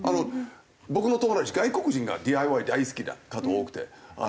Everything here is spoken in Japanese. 僕の友達外国人がＤＩＹ大好きな方多くて。